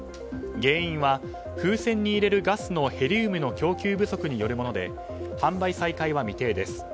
原因は風船に入れるガスのヘリウムの供給不足によるもので販売再開は未定です。